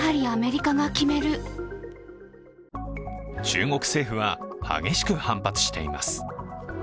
中国政府は、激しく反発しています。